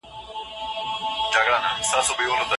د نجونو ښوونه د باور بنسټ جوړوي.